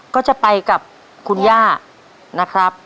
ก็จะไปกับคุณย่านะครับ